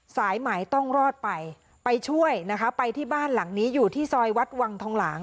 สายไหมต้องรอดไปไปช่วยนะคะไปที่บ้านหลังนี้อยู่ที่ซอยวัดวังทองหลาง